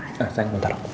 ah sayang bentar